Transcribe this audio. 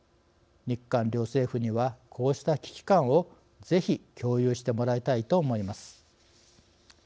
日韓両政府にはこうした危機感をぜひ共有してもらいたいと思います。